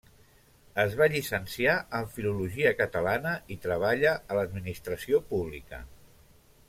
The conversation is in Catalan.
Es va llicenciar en Filologia Catalana i treballa a l'Administració pública.